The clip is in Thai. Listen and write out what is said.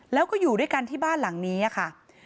แล้วก็อยู่ด้วยกันที่บ้านหลังนี้ค่ะ